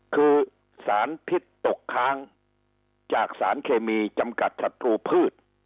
คือสารพิษตกค้างจากสารเคมีจำกัดศัตรูพืช